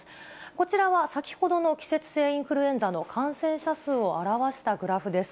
こちらは先ほどの季節性インフルエンザの感染者数を表したグラフです。